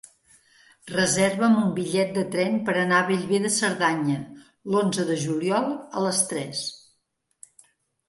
Reserva'm un bitllet de tren per anar a Bellver de Cerdanya l'onze de juliol a les tres.